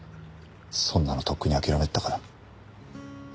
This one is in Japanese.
そんなのとっくに諦めてたから。